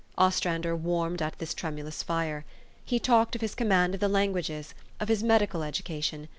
Ostrander warmed at this tremu lous fire He talked of his command of the lan guages, of his medical education.